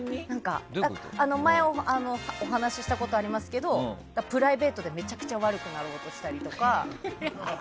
前、お話したことありますけどプライベートでめちゃくちゃ悪くなろうとしたりとか。